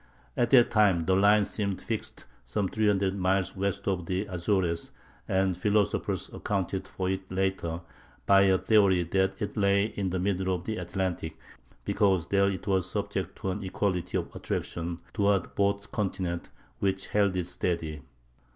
At that time the line seemed fixed some three hundred miles west of the Azores, and philosophers accounted for it later by a theory that it lay in the middle of the Atlantic because there it was subject to an equality of attraction toward both continents which held it steady.